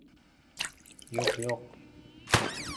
— Yo‘q-yo‘q!